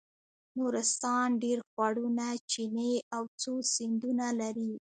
نورستان ډېر خوړونه چینې او څو سیندونه لري.